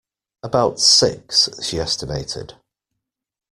About six, she estimated.